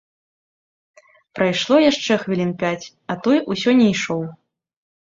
Прайшло яшчэ хвілін пяць, а той усё не ішоў.